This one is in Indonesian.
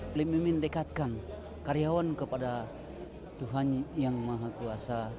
mimpi mimpi dekatkan karyawan kepada tuhan yang maha kuasa